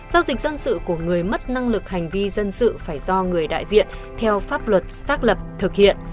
giao dịch dân sự của người mất năng lực hành vi dân sự phải do người đại diện theo pháp luật xác lập thực hiện